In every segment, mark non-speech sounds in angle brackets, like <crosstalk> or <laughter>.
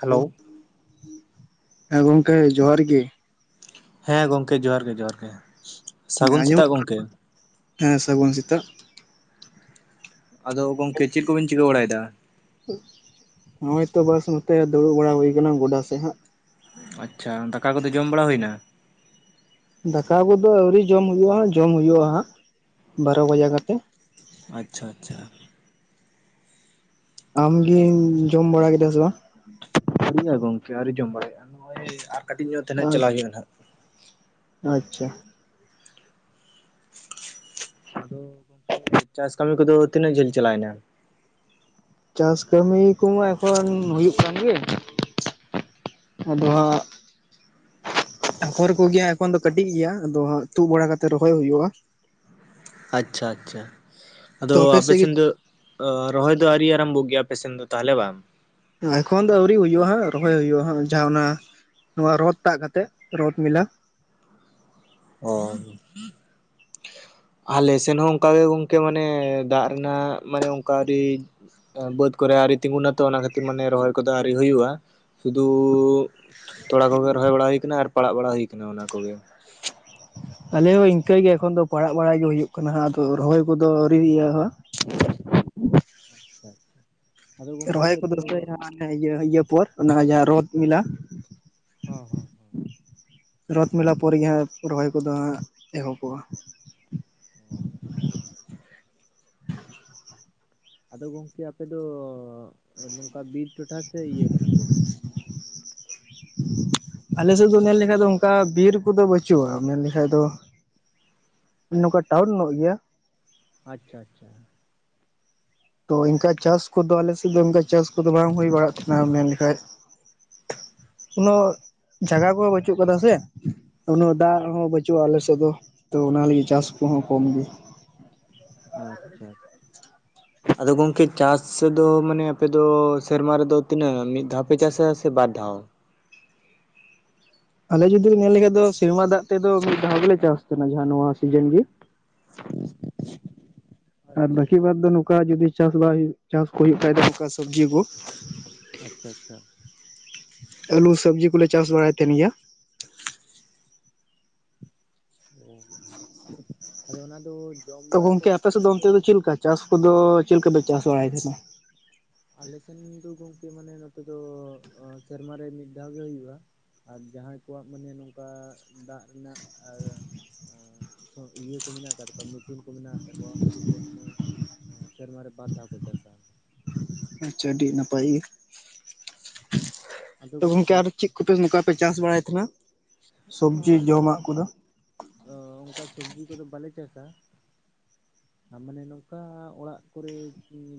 Hello <inaudible> ᱦᱮᱸ ᱜᱚᱝᱠᱮ ᱡᱚᱦᱟᱨ ᱜᱮ᱾ ᱦᱮᱸ ᱜᱚᱝᱠᱮ, ᱡᱚᱦᱟᱨ ᱜᱮ, ᱡᱚᱦᱟᱨ ᱜᱮ᱾ ᱦᱮᱸ ᱥᱟᱹᱜᱩᱱ ᱥᱮᱛᱟᱜ ᱟᱸᱡᱚᱢᱚᱜ ᱜᱚᱝᱠᱮ <inaudible> ᱦᱮᱸ, ᱥᱟᱹᱜᱩᱱ ᱥᱮᱛᱟᱜ᱾ ᱟᱫᱚ ᱜᱚᱝᱠᱮ ᱪᱤᱫ ᱠᱩᱵᱤᱱ ᱪᱤᱠᱟᱹ ᱵᱟᱲᱟᱭ ᱫᱟ? <inaudible> ᱱᱚᱜ-ᱚᱭ ᱛᱚ ᱵᱟᱥ ᱱᱚᱛᱮ ᱫᱩᱲᱩᱵ ᱵᱟᱲᱟ ᱦᱩᱭ ᱠᱟᱱᱟ ᱜᱚᱰᱟ ᱥᱮᱜ ᱦᱟᱸᱜ᱾ ᱟᱪᱪᱷᱟ, ᱫᱟᱠᱟ ᱠᱚᱫᱚ ᱡᱚᱢ ᱵᱟᱲᱟ ᱦᱩᱭ ᱱᱟ᱾ ᱫᱟᱠᱟ ᱠᱩᱫᱚ ᱟᱹᱣᱨᱤ ᱡᱚᱢ ᱦᱩᱭᱩᱜ-ᱟ ᱦᱟᱸᱜ ᱡᱚᱢ ᱦᱩᱭᱩᱜ-ᱟ ᱦᱟᱸᱜ ᱵᱟᱨᱚ ᱵᱟᱡᱟ ᱠᱟᱛᱮ᱾ ᱟᱪᱪᱷᱟ, ᱟᱪᱷᱟ᱾ ᱟᱢ ᱜᱤᱢ ᱡᱚᱢ ᱵᱟᱲᱟ ᱠᱤᱫᱟ ᱥᱮ ᱵᱟ? <inaudible> ᱜᱚᱝᱠᱮ ᱟᱹᱣᱨᱤ ᱡᱚᱢ ᱵᱟᱲᱟᱭ ᱦᱩᱭᱩᱜ-ᱟ ᱱᱚᱜ-ᱚᱭ ᱟᱨ ᱠᱟᱹᱴᱤᱡ ᱧᱚᱜ ᱛᱮ ᱱᱟᱦᱟᱸᱜ ᱵᱟᱝ ᱪᱟᱞᱟᱣ ᱦᱩᱭᱩᱜ-ᱟ ᱱᱟᱦᱟᱸᱜ᱾ ᱟᱪᱪᱷᱟ᱾ <inaudible> ᱪᱟᱥ ᱠᱟᱹᱢᱤ ᱠᱚᱫᱟ ᱛᱤᱱᱟᱹᱜ ᱡᱷᱟᱹᱞ ᱪᱟᱞᱟᱭ ᱱᱟ? ᱪᱟᱥ ᱠᱟᱹᱢᱤ ᱠᱩᱢᱟ ᱮᱠᱷᱚᱱ ᱦᱩᱭᱩᱜ ᱠᱟᱱ ᱜᱮ᱾ <inaudible> ᱟᱫᱚ ᱦᱟᱸᱜ᱾ <inaudible> ᱟᱯᱷᱚᱨ ᱠᱩᱜᱤ ᱦᱟᱸᱜ ᱮᱠᱷᱚᱱ ᱫᱚ ᱠᱟᱹᱴᱤᱡ ᱜᱤᱭᱟ ᱟᱫᱚ ᱦᱟᱸᱜ ᱛᱩᱜ ᱵᱟᱲᱟ ᱠᱟᱛᱮᱜ ᱨᱚᱦᱚᱭ ᱦᱩᱭᱩᱜ-ᱟ᱾ ᱟᱪᱷᱟ ᱟᱪᱷᱟ ᱛᱚ ᱟᱫᱚ ᱟᱯᱮ ᱥᱮᱫ ᱜᱮ ᱥᱮᱱ ᱫᱚᱼᱼ ᱚ ᱨᱚᱦᱚᱭ ᱫᱚ ᱟᱹᱣᱨᱤ ᱟᱨᱟᱢᱵᱩᱜ ᱜᱮᱭᱟ ᱟᱯᱮ ᱥᱮᱱ ᱫᱚ ᱛᱟᱦᱚᱞᱮ ᱵᱟᱝ ᱮᱠᱷᱚᱱ ᱫᱚ ᱟᱹᱣᱨᱤ ᱦᱩᱭᱩᱜ-ᱟ ᱦᱟᱸᱜ ᱨᱚᱦᱚᱭ ᱦᱩᱭᱩᱜ-ᱟ ᱦᱟᱸᱜ ᱡᱟᱦᱟᱸ ᱚᱱᱟᱼᱼ ᱱᱚᱶᱟ ᱨᱚᱛ ᱛᱟᱜ ᱠᱟᱛᱮᱫ ᱨᱚᱛᱷ ᱢᱮᱞᱟ ᱚᱢ᱾ ᱟᱞᱮ ᱥᱮᱱ ᱦᱚᱸ ᱚᱱᱠᱟ ᱜᱮ ᱜᱚᱝᱠᱮ ᱢᱟᱱᱮ ᱫᱟᱜ ᱨᱮᱱᱟᱜ᱾ ᱢᱟᱱᱮ ᱚᱱᱠᱟ ᱟᱰᱤᱡ ᱮ ᱵᱟᱹᱛ ᱠᱚᱨᱮ ᱟᱣᱨᱤ ᱛᱤᱸᱜᱩᱱᱟ ᱛᱚ ᱚᱱᱟ ᱠᱷᱟᱹᱛᱤᱨ ᱢᱟᱱᱮ ᱨᱚᱦᱚᱭ ᱠᱚᱫᱚ ᱟᱣᱨᱤ ᱦᱩᱭᱩᱜ-ᱟ᱾ ᱥᱩᱫᱩ ᱛᱚᱲᱟ ᱠᱚ ᱜᱮ ᱨᱚᱦᱚᱭ ᱵᱟᱲᱟ ᱦᱩᱭ ᱠᱟᱱᱟ, ᱟᱨ ᱯᱟᱲᱟᱜ ᱵᱟᱲᱟ ᱦᱩᱭ ᱠᱟᱱᱟ ᱚᱱᱟ ᱠᱚ ᱜᱮ᱾ ᱟᱞᱮ ᱚ ᱤᱱᱠᱟᱹ ᱜᱮ ᱮᱠᱷᱚᱱ ᱫᱚ ᱯᱟᱲᱟᱜ ᱵᱟᱲᱟᱭ ᱜᱮ ᱦᱩᱭᱩᱜ ᱠᱟᱱᱟ ᱦᱟᱸᱜ ᱟᱫᱚ ᱨᱚᱦᱚᱭ ᱠᱩ ᱫᱚ ᱟᱹᱣᱨᱤ <unintelligible> ᱦᱟ <inaudible> ᱟᱫᱚ ᱜᱚᱝᱠᱮ ᱨᱚᱦᱚᱭ ᱟᱯᱮ ᱠᱚ ᱫᱚ <inaudible> ᱤᱭᱟᱹ ᱯᱚᱨ ᱚᱱᱟ ᱡᱟᱦᱟᱸ ᱨᱚᱛ ᱢᱮᱞᱟ᱾ ᱦᱚ ᱦᱚᱸ᱾ ᱨᱚᱛ ᱢᱮᱞᱟ ᱯᱚᱨ ᱜᱮ ᱦᱟᱸᱜ ᱨᱚᱦᱚᱭ ᱠᱩᱫᱚ ᱦᱟᱸᱜ ᱮᱦᱚᱵᱯᱚᱜ-ᱟ᱾ <unintelligible> ᱟᱫᱚ ᱜᱚᱝᱠᱮ ᱟᱯᱮ ᱫᱚᱻ᱾ ᱚ ᱱᱚᱝᱠᱟ ᱵᱤᱨ ᱴᱚᱴᱷᱟ ᱥᱮ ᱤᱭᱟᱹ ᱠᱟᱱᱟ ᱯᱮ? <inaudible> ᱟᱞᱮ ᱥᱮᱫ ᱫᱚ ᱱᱮᱞ ᱞᱮᱠᱷᱟᱡ ᱫᱚ ᱚᱱᱠᱟ ᱵᱤᱨ ᱠᱩᱫᱚ ᱵᱟᱹᱪᱩᱜ-ᱟ ᱢᱮᱱ ᱞᱤᱠᱷᱟᱡ ᱫᱚᱼᱼ ᱟ ᱱᱩᱝᱠᱟ ᱴᱟᱣᱩᱱ ᱱᱚᱜ ᱜᱤᱭᱟ᱾ ᱟᱪᱷᱟ ᱟᱪᱷᱟ᱾ ᱛᱚ ᱤᱱᱠᱟ ᱪᱟᱥ ᱠᱩᱫᱚ ᱟᱞᱮ ᱥᱮᱫ ᱫᱚ ᱤᱱᱠᱟ ᱪᱟᱥ ᱠᱩᱫᱚ ᱵᱟᱝ ᱦᱩᱭ ᱵᱟᱲᱟᱜ ᱛᱷᱮᱱᱟ ᱢᱮᱱ ᱞᱤᱠᱷᱟᱡᱼᱼ ᱠᱚᱱᱚ ᱡᱟᱭᱜᱟ ᱠᱩ ᱦᱚᱸ ᱵᱟᱹᱪᱩᱜ ᱠᱟᱫᱟ ᱥᱮ᱾ ᱩᱱᱟᱹᱜ ᱫᱟᱜ ᱦᱚᱸ ᱵᱟᱹᱪᱩᱜ-ᱟ ᱟᱞᱮ ᱥᱮᱫ ᱫᱚ ᱛᱚ ᱚᱱᱟ ᱞᱟᱹᱜᱤᱫ ᱪᱟᱥ ᱠᱩᱦᱚᱸ ᱠᱚᱢ ᱜᱤ᱾ ᱟᱪᱪᱷᱟ <unintelligible> ᱟᱫᱚ ᱜᱚᱝᱠᱮ ᱪᱟᱥ ᱫᱚ ᱢᱟᱱᱮ ᱟᱯᱮ ᱫᱚ ᱥᱮᱨᱢᱟ ᱨᱮᱫᱚ ᱛᱤᱱᱟᱹᱜ ᱢᱤᱫᱼᱼ ᱫᱷᱟᱣ ᱯᱮ ᱪᱟᱥᱟ ᱥᱮ ᱵᱟᱨ ᱫᱷᱟᱣ? ᱟᱞᱮ ᱡᱩᱫᱤ ᱧᱮᱞ ᱞᱤᱠᱷᱟᱡ ᱫᱚ ᱥᱮᱨᱢᱟ ᱫᱟᱜ ᱛᱮᱫᱚ ‌ᱢᱤᱫ ᱫᱷᱟᱣ ᱜᱤᱞᱮ ᱪᱟᱥ ᱛᱮᱦᱮᱱᱟ ᱡᱟᱦᱟᱸ ᱱᱩᱶᱟ ᱥᱤᱡᱟᱹᱱ ᱜᱤ᱾ ᱟᱨ ᱟᱪᱪᱷᱟ ᱵᱟᱹᱠᱤ ᱵᱟᱫᱽ ᱫᱚ ᱱᱩᱠᱟ ᱡᱩᱫᱤ ᱪᱟᱥ ᱵᱟᱭ ᱪᱟᱥ ᱠᱚ ᱦᱩᱭᱩᱜ ᱠᱷᱟᱡ ᱫᱚ ᱱᱚᱝᱠᱟ ᱥᱟᱹᱵᱽᱡᱤ ᱠᱩ᱾ ᱟᱪᱷᱟ ᱪᱟᱜ᱾ ᱟᱹᱞᱩ ᱥᱟᱹᱵᱽᱡᱤ ᱠᱚᱞᱮ ᱪᱟᱥ ᱵᱟᱲᱟᱭ ᱛᱮᱦᱮᱱ ᱜᱤᱭᱟ᱾ ᱚᱸ ᱟᱫᱚ ᱚᱱᱟ ᱫᱚ᱾ ᱡᱚᱢ ᱛᱚ ᱵᱟᱲᱟ ᱠᱚ ᱜᱚᱝᱠᱮ ᱟᱯᱮ ᱠᱷᱟᱹᱛᱤᱨ ᱥᱮᱫ ᱫᱚ ᱛᱮ ᱚᱱᱛᱮ ᱫᱚ ᱪᱤᱫ ᱞᱤᱠᱟ ᱪᱟᱥ ᱠᱩᱫᱚ ᱪᱮᱜ ᱞᱮᱠᱟ ᱯᱮ ᱪᱟᱥ ᱵᱟᱲᱟᱭ ᱛᱮᱦᱮᱸᱱᱟ? ᱟᱞᱮ ᱥᱮᱱ ᱫᱚ ᱜᱚᱝᱠᱮ ᱢᱟᱱᱮ ᱱᱚᱛᱮ ᱫᱚ ᱚ ᱥᱮᱨᱢᱟ ᱨᱮ ᱢᱤᱫ ᱫᱷᱟᱣ ᱜᱮ ᱦᱩᱭᱩᱜ-ᱟ᱾ ᱟᱨ ᱡᱟᱦᱟᱸᱭ ᱠᱚᱣᱟᱜ ᱢᱟᱱᱮ ᱱᱩᱝᱠᱟ ᱫᱟᱜ ᱨᱮᱱᱟᱜ ᱟᱨ ᱟᱸᱼᱼ ᱚᱸ ᱤᱭᱟᱹ ᱠᱚ ᱢᱮᱱᱟᱜ ᱟᱠᱟᱫ ᱛᱟᱠᱚᱣᱟ ᱢᱤᱥᱤᱱ ᱠᱚ ᱢᱮᱱᱟᱜ ᱛᱟᱠᱚᱣᱟ ᱩᱱᱠᱩ ᱫᱚ ᱢᱟᱱᱮ᱾ ᱥᱮᱨᱢᱟᱨᱮ ᱵᱟᱨ ᱫᱷᱟᱣ ᱠᱚ ᱪᱟᱥᱼᱟ᱾ ᱟᱪᱪᱷᱟ ᱟᱹᱰᱤ ᱱᱟᱯᱟᱭ ᱜᱮ᱾ᱛᱚ ᱜᱚᱝᱠᱮ ᱟᱨ ᱪᱮᱫ ᱠᱚᱯᱟᱥ ᱱᱚᱝᱠᱟ ᱯᱮ ᱪᱟᱥ ᱵᱟᱲᱟᱭ ᱛᱟᱦᱮᱱᱟ᱾ ᱦᱚᱸ ᱥᱚᱵᱽᱡᱤ ᱟᱞᱮ ᱫᱚ ᱡᱚᱢᱟᱜ ᱠᱚᱫᱚ ᱚᱱᱠᱟ ᱥᱚᱵᱡᱤ ᱠᱚᱫᱚ ᱵᱟᱞᱮ ᱪᱟᱥᱼᱟ᱾ <inaudible> ᱟᱨ ᱢᱟᱱᱮ ᱱᱚᱝᱠᱟ ᱚᱲᱟᱜ ᱠᱚᱨᱮ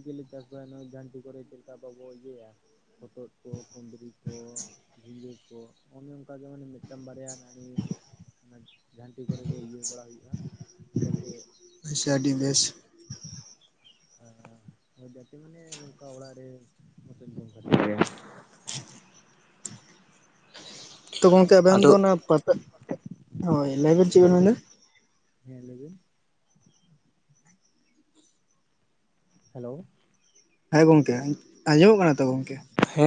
ᱜᱮᱞᱮ ᱪᱟᱥ ᱵᱟᱲᱟᱭᱟ ᱱᱚᱜᱼᱚᱭ ᱡᱷᱟᱹᱱᱴᱤ ᱠᱚᱨᱮ ᱪᱮᱫ ᱞᱮᱠᱟ ᱵᱟᱵᱚ ᱤᱭᱟᱹᱭᱟ ᱦᱚᱛᱚᱫ ᱠᱚ ᱠᱩᱸᱫᱽᱨᱤ ᱠᱚ ᱡᱷᱤᱸᱜᱟᱹ ᱠᱚ ᱚᱱᱮ ᱚᱱᱠᱟ ᱜᱮ ᱢᱟᱱᱮ ᱢᱤᱫᱴᱮᱱ ᱢᱤᱫᱴᱟᱝ ᱵᱟᱨᱭᱟ ᱱᱟᱹᱲᱤ ᱚᱱᱟ ᱡᱷᱟᱱᱴᱤ ᱠᱚᱨᱮ ᱜᱮ ᱤᱭᱟᱹ ᱵᱟᱲᱟ ᱦᱩᱭᱩᱜᱼᱟ ᱪᱤᱠᱟᱹᱛᱮ ᱟᱪᱪᱷᱟ ᱟᱹᱰᱤ ᱵᱮᱥ᱾ ᱡᱟᱛᱮ ᱢᱟᱱᱮ ᱱᱚᱝᱠᱟ ᱚᱲᱟᱜ ᱨᱮ᱾ ᱟᱫᱚ ᱪᱮᱫ ᱵᱮᱱ ᱪᱤᱠᱟᱭᱟ? ᱛᱚ ᱜᱚᱢᱠᱮ ᱟᱵᱮᱱ ᱟᱫᱚ ᱫᱚ ᱚᱱᱟ ᱯᱟᱛᱟ᱾ ᱦᱳᱭ ᱞᱟᱹᱭᱵᱤᱱ ᱦᱮᱸ ᱪᱮᱫ ᱵᱮᱱ ᱞᱟᱹᱭ ᱢᱮᱱᱫᱟ? ᱵᱤᱱ ᱦᱮᱸ ᱞᱟᱹᱭᱵᱤᱱ ᱦᱮᱞᱳ ᱦᱮᱸ ᱜᱚᱝᱠᱮ᱾ ᱟᱸᱡᱚᱢᱚᱜ ᱠᱟᱱᱟ ᱛᱚ ᱜᱚᱝᱠᱮ? ᱦᱮᱸ